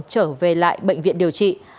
trở về lại bệnh viện điều trị